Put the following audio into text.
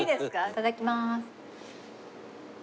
いただきます。